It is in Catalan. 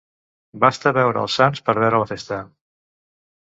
Basta veure els sants per veure la festa.